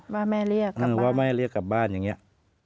ว่าแม่เรียกกลับบ้านว่าแม่เรียกกลับบ้านอย่างเงี้ย